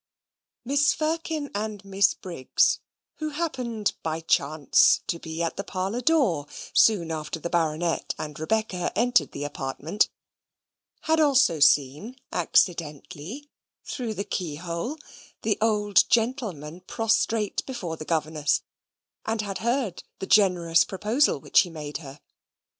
Mrs. Firkin and Miss Briggs, who happened by chance to be at the parlour door soon after the Baronet and Rebecca entered the apartment, had also seen accidentally, through the keyhole, the old gentleman prostrate before the governess, and had heard the generous proposal which he made her.